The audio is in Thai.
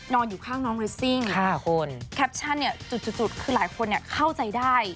อยู่ข้างน้องเรสซิ่งแคปชั่นเนี่ยจุดคือหลายคนเข้าใจได้